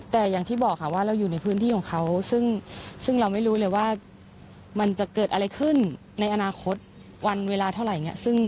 แต่อย่างที่บอกค่ะว่าเราอยู่ในพื้นที่ของเขาซึ่งเราไม่รู้เลยว่ามันจะเกิดอะไรขึ้นในอนาคตวันเวลาเท่าไหร่